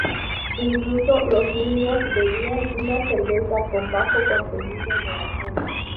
Incluso los niños bebían una cerveza con bajo contenido de alcohol.